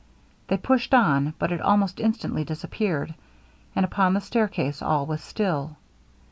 They pushed on, but it almost instantly disappeared, and upon the stair case all was still.